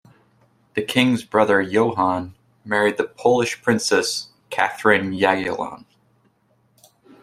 The King's brother Johan married the Polish princess Catherine Jagiellon.